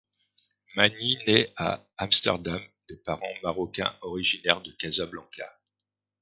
Mani naît à Amsterdam de parents marocains originaires de Casablanca.